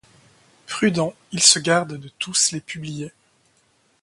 Prudent, il se garde de tous les publier.